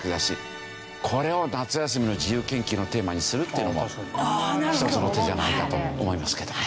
これを夏休みの自由研究のテーマにするっていうのも一つの手じゃないかと思いますけどね。